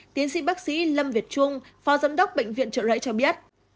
tiến sĩ bác sĩ lâm việt trung phó giám đốc bệnh viện trợ rẫy cho biết